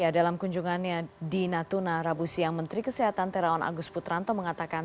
dalam kunjungannya di natuna rabu siang menteri kesehatan terawan agus putranto mengatakan